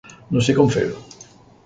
No sé com fer-ho.